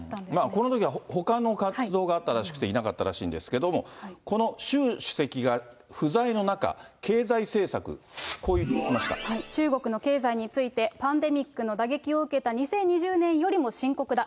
この時はほかの活動があったらしくて、いなかったらしいんですけれども、この習主席が不在の中、経済政策、中国の経済について、パンデミックの打撃を受けた２０２０年よりも深刻だ。